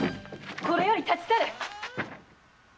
これより立ち去れ！